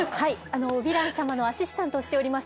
ヴィラン様のアシスタントをしております